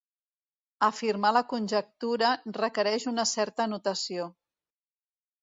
Afirmar la conjectura requereix una certa notació.